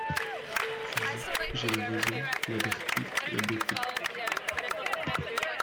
Tu dis : j’ai la raison, la vertu, la beauté.